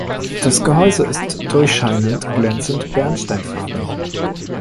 Das Gehäuse ist durchscheinend, glänzend-bernsteinfarben.